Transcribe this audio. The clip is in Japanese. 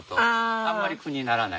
あんまり苦にならない。